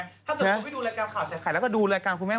ถูกไหมถ้าเกิดคนไปดูรายการข่าวใช้ไข่